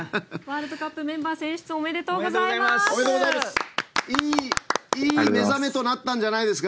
ワールドカップメンバー選出おめでとうございます。